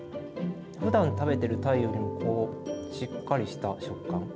ふだん食べているタイよりもしっかりした食感。